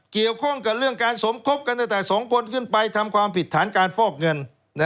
เกี่ยวข้องกับเรื่องการสมคบกันตั้งแต่๒คนขึ้นไปทำความผิดฐานการฟอกเงิน